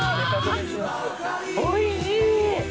おいしい！